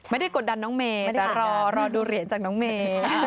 กดดันน้องเมย์แต่รอดูเหรียญจากน้องเมย์